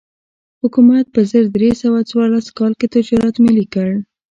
حکومت په زر درې سوه څوارلس کال کې تجارت ملي کړ.